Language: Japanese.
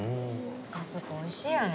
あそこおいしいよね。